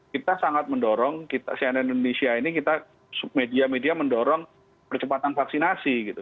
kita sangat mendorong kita cnn indonesia ini kita media media mendorong percepatan vaksinasi gitu